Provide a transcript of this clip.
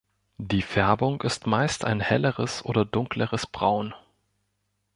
Die Färbung ist meist ein helleres oder dunkleres Braun.